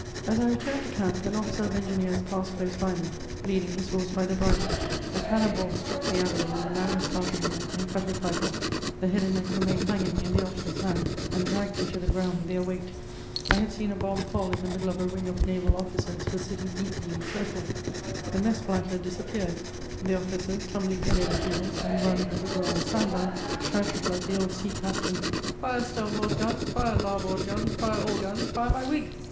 As I returned to camp, an officer of engineers passed close by me, leading his horse by the bridle; a cannon ball struck the animal in the narrowest part of the neck and cut it right off; the head and neck remained hanging in the officer's hand and dragged him to the ground with their weight. I had seen a bomb fall in the middle of a ring of naval officers who were sitting eating in a circle. The mess platter disappeared; the officers, tumbling head over heels and run, as it were, on a sand bank, shouted like the old sea captain: "Fire starboard guns, fire larboard guns, fire all guns, fire my wig!"